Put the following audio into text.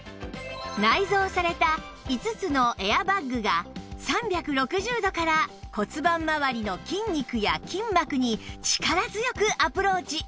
内蔵された５つのエアバッグが３６０度から骨盤まわりの筋肉や筋膜に力強くアプローチ